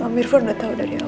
om irfan sudah tahu dari awal